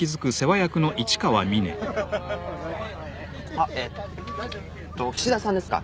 あっえっと岸田さんですか？